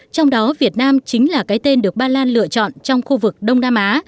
trong đó việt nam chính là cái tên được ba lan lựa chọn trong khu vực đông nam á